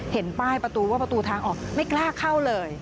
เห็นป้ายประตูว่าประตูทางออกไม่กล้าเข้าเลย